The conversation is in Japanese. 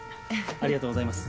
ありがとうございます。